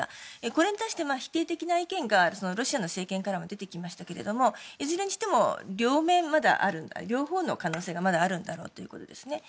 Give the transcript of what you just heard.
これに対して否定的な意見がロシアの政権からも出てきましたけどもいずれにしても両方の可能性がまだあるんだろうということです。